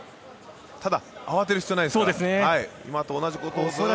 ただ、慌てる必要はないですから。